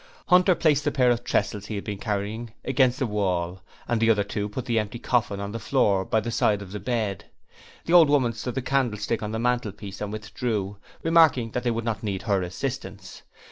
Hunter placed the pair of tressels he had been carrying against the wall, and the other two put the empty coffin on the floor by the side of the bed. The old woman stood the candlestick on the mantelpiece, and withdrew, remarking that they would not need her assistance.